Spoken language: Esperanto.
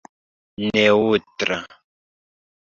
neŭtra